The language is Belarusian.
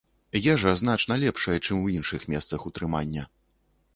Ежа значна лепшая, чым у іншых месцах утрымання.